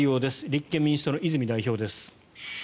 立憲民主党の泉代表です。